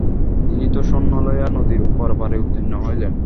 তিনি তো সৈন্য লইয়া নদীর পরপারে উত্তীর্ণ হইলেন।